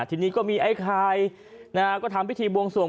ทีนี้ก็มีไอ้ไข่นะฮะก็ทำพิธีบวงสวง